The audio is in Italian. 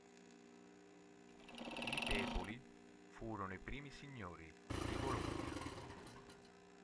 I Pepoli furono i primi signori di Bologna.